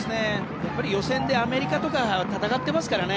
予選でアメリカとか戦っていますからね。